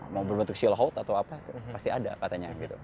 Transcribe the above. mau berbentuk kata kata itu pasti ada katanya